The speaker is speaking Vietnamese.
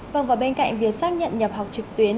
vâng và bên cạnh việc xác nhận nhập học trực tuyến